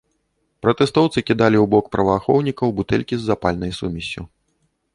Пратэстоўцы кідалі ў бок праваахоўнікаў бутэлькі з запальнай сумессю.